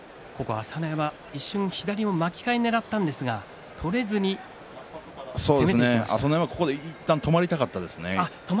朝乃山は一瞬左の巻き替えをねらったんですが取れずに朝乃山は、ここでいったん止まりたかったですね